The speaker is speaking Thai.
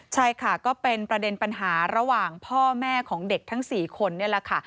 ใช่ค่ะก็เป็นประเด็นปัญหาระหว่างพ่อแม่ของเด็กทั้ง๔คนนี่แหละค่ะ